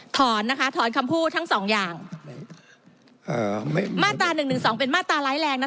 ถอนนะคะถอนคำพูดทั้งสองอย่างมาตราหนึ่งหนึ่งสองเป็นมาตราร้ายแรงนะ